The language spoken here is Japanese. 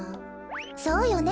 そうよね。